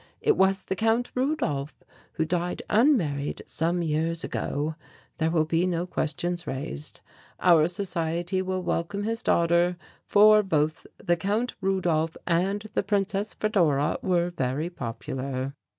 It was the Count Rudolph who died unmarried some years ago. There will be no questions raised. Our society will welcome his daughter, for both the Count Rudolph and the Princess Fedora were very popular."